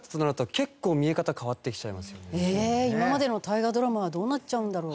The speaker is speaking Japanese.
ええ今までの大河ドラマはどうなっちゃうんだろう？